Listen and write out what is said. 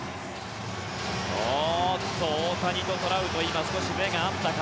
大谷とトラウト今、少し目が合ったか。